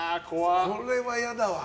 これは嫌だわ。